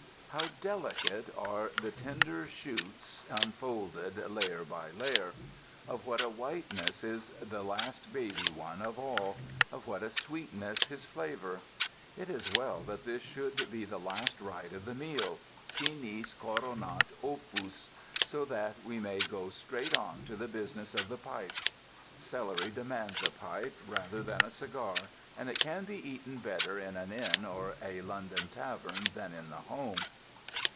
How delicate are the tender shoots unfolded layer by layer. Of what a whiteness is the last baby one of all, of what a sweetness his flavor. It is well that this should be the last rite of the meal finis coronat opus so that we may go straight on to the business of the pipe. Celery demands a pipe rather than a cigar, and it can be eaten better in an inn or a London tavern than in the home.